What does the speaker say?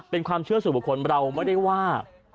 เป็นความเชื่อสู่บุคคลเราไม่ได้ว่า